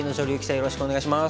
よろしくお願いします。